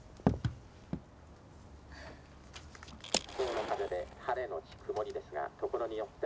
「の風で晴れのち曇りですがところによっては」。